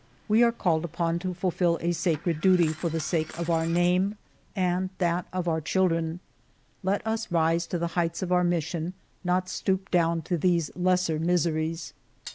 We are called upon to fulfil a sacred duty for the sake of our name, and that of our children. Let us rise to the heights of our mission, not stoop down to these lesser miseries.